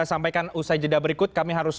sampaikan usai jeda berikut kami harus